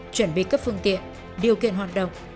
chuẩn bị các phương tiện điều kiện hoạt động